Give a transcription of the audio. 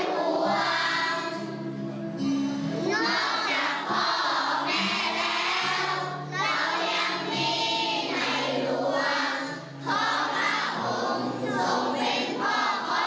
พ่อองค์สอนทุกข์เราให้เป็นคนดีพ่อพ่าก็มีความใจ